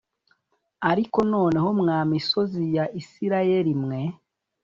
ariko noneho mwa misozi ya Isirayeli mwe